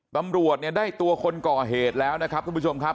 ตำรวจเนี่ยได้ตัวคนก่อเหตุแล้วนะครับทุกผู้ชมครับ